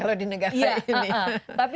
ya banyak lah kalau di negara ini